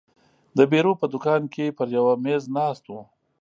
د بیرو په دوکان کې پر یوه مېز ناست وو.